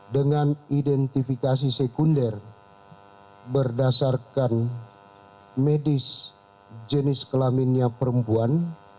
dengan identifikasi sekunder berdasarkan medis jenis kelaminnya perempuan